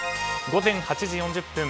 午前８時４０分。